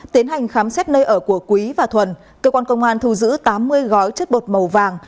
tiến hành khám xét nơi ở của quý và thuần cơ quan công an thu giữ tám mươi gói chất bột màu vàng